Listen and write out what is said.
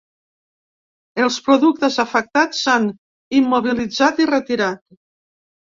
Els productes afectats s’han immobilitzat i retirat.